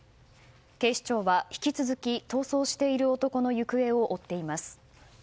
警視庁は引き続き逃走している男の行方を追っています。